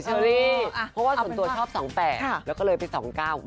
ส่วนตัวชอบสองแป่แล้วก็เลยไปสองเก้า